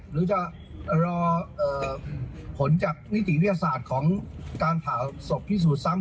หรือจะรอผลจากนิติวิทยาศาสตร์ของการผ่าศพพิสูจน์ซ้ำ